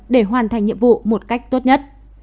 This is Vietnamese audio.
để hoàn thành nhiệm vụ một cách tốt nhất